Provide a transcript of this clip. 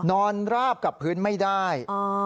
ราบกับพื้นไม่ได้